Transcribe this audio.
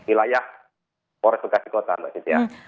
wilayah polres purwokasi kota mbak cynthia